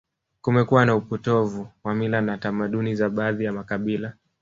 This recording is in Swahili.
Kumekuwa na upotovu wa mila na tamaduni za baadhi ya makabila